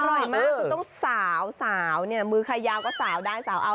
อร่อยมากคือต้องสาวสาวเนี่ยมือใครยาวก็สาวได้สาวเอา